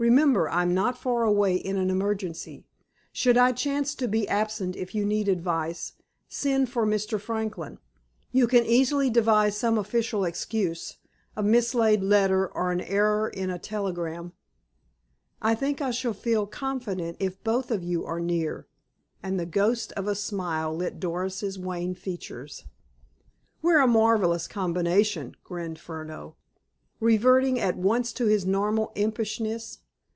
Remember, I'm not far away in an emergency. Should I chance to be absent if you need advice, send for Mr. Franklin. You can easily devise some official excuse, a mislaid letter, or an error in a telegram." "I think I shall feel confident if both of you are near," and the ghost of a smile lit Doris's wan features. "We're a marvelous combination," grinned Furneaux, reverting at once to his normal impishness.